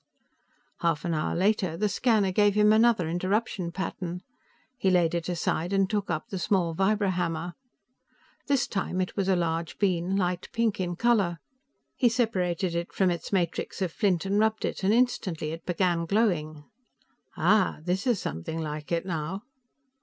Half an hour later, the scanner gave him another interruption pattern. He laid it aside and took up the small vibrohammer. This time it was a large bean, light pink in color, He separated it from its matrix of flint and rubbed it, and instantly it began glowing. "Ahhh! This is something like it, now!"